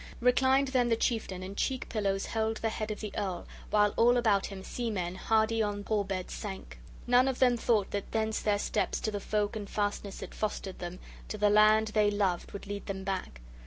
Reclined then the chieftain, and cheek pillows held the head of the earl, while all about him seamen hardy on hall beds sank. None of them thought that thence their steps to the folk and fastness that fostered them, to the land they loved, would lead them back!